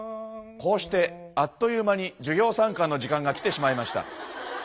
こうしてあっという間に授業参観の時間が来てしまいました。